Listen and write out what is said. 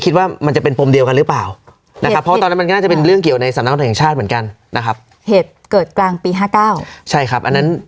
ตอบรวจต่อรอเองนะครับ